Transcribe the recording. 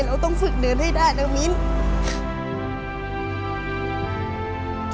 เราต้องฝึกเดินให้ได้แล้วมิ้น